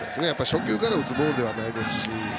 初球から打つボールではないですし。